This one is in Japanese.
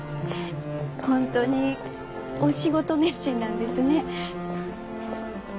本当にお仕事熱心なんですね。